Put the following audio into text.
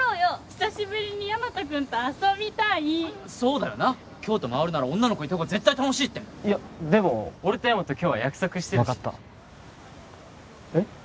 久しぶりにヤマト君と遊びたいそうだよな京都回るなら女の子いた方が絶対楽しいっていやでも俺とヤマト今日は約束分かったえっ？